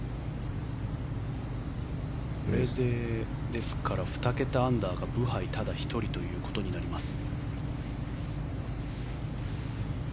これでですから、２桁アンダーがブハイただ１人となります。